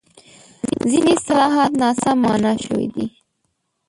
ځینې اصطلاحات ناسم مانا شوي دي.